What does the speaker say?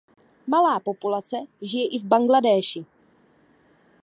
Malá populace žije i v Bangladéši.